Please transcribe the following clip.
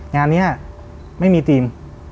งานนี้ไม่มีทีม